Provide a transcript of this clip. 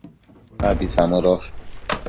Abi samëdosh